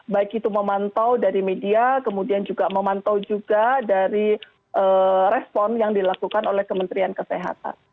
baik itu memantau dari media kemudian juga memantau juga dari respon yang dilakukan oleh kementerian kesehatan